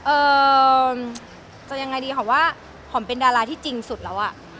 เอ่อจะยังไงดีหอมว่าหอมเป็นดาราที่จริงสุดแล้วอ่ะ